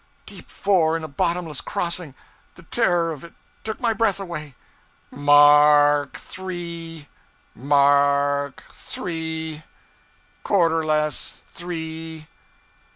Deep four in a bottomless crossing! The terror of it took my breath away. 'M a r k three!... M a r k three... Quarter less three!...